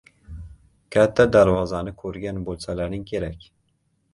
– Katta darvozani koʻrgan boʻlsalaring kerak.